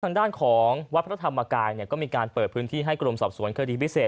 ทางด้านของวัดพระธรรมกายก็มีการเปิดพื้นที่ให้กรมสอบสวนคดีพิเศษ